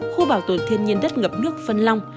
khu bảo tồn thiên nhiên đất ngập nước phân long